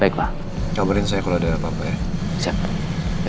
kaburin saya kalau ada apa apa ya